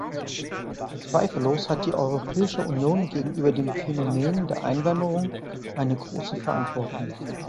Zweifellos hat die Europäische Union gegenüber dem Phänomen der Einwanderung eine große Verantwortung.